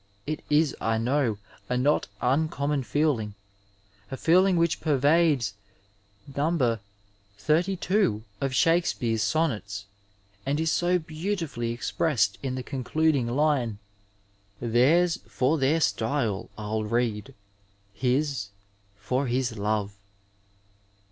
It is, I know, a not uncommon feeling — a feeling which pervades No. XXXTT of Shakespeare's Sonnets and is so beautifully expressed in the concluding line, " Theirs for their style I'U read, his for his love."